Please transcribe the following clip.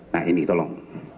nah ini tolong